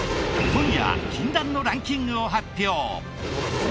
今夜禁断のランキングを発表。